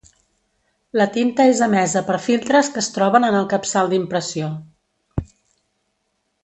La tinta és emesa per filtres que es troben en el capçal d'impressió.